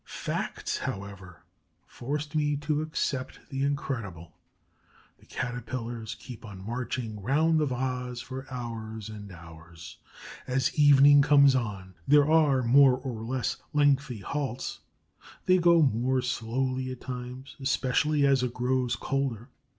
Facts, however, forced me to accept the incredible. The Caterpillars keep on marching round the vase for hours and hours. As evening comes on, there are more or less lengthy halts; they go more slowly at times, especially as it grows colder.